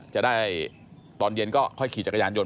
จะได้ตอนเย็นก็ค่อยขี่จักรยานยนต